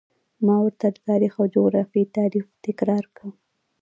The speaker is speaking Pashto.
ما ورته د تاریخ او جغرافیې تعریف تکرار کړ.